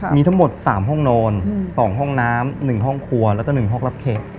มีทั้งหมด๓ห้องนอน๒ห้องน้ำ๑ห้องครัวแล้วก็๑ห้องรับแขก